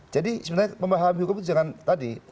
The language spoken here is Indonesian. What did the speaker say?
jadi sebenarnya memahami hukum itu jangan tadi